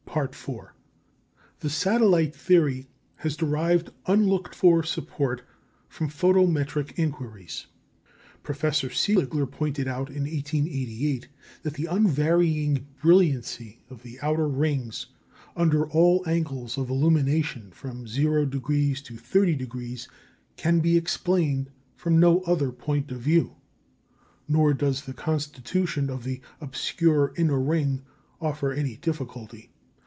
The satellite theory has derived unlooked for support from photometric inquiries. Professor Seeliger pointed out in 1888 that the unvarying brilliancy of the outer rings under all angles of illumination, from 0° to 30°, can be explained from no other point of view. Nor does the constitution of the obscure inner ring offer any difficulty.